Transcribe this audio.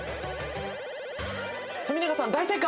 富永さん大正解。